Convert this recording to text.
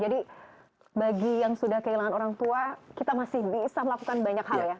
jadi bagi yang sudah kehilangan orang tua kita masih bisa melakukan banyak hal ya